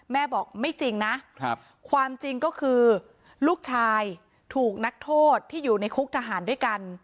แม่บอกไม่จริงนะความจริงก็คือลูกชายถูกนักโทษที่อยู่ในคุกทหารด้วยกัน